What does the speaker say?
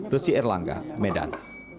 resi erlangga medan